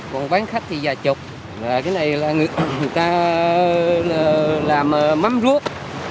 còn bán khách thì vài chục